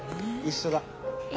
一緒だ。